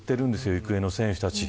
育英の選手たち。